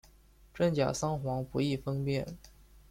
真假桑黄不易分辨。